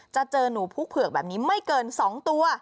จะเจอหนูพุกเผือกแบบนี้ไม่เกิน๒ตัว